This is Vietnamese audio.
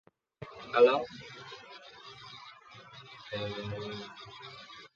Chỉ nghe thấy tiếng hương đêm nhẹ nhàng